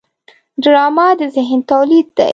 ډرامه د ذهن تولید دی